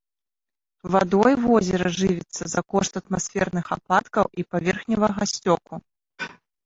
Вадой возера жывіцца за кошт атмасферных ападкаў і паверхневага сцёку.